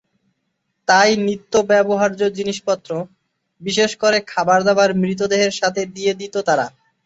তাই নিত্য ব্যবহার্য জিনিসপত্র, বিশেষ করে খাবার-দাবার মৃতদেহের সাথে দিয়ে দিতো তারা।